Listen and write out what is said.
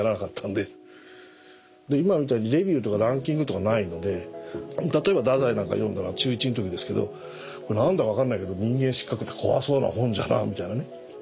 で今みたいにレビューとかランキングとかないので例えば太宰なんか読んだのは中１の時ですけど何だか分かんないけど「人間失格」怖そうな本じゃなみたいなね。